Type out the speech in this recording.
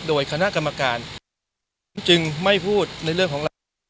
โดยคณะกรรมการจึงไม่พูดในเรื่องของหลัก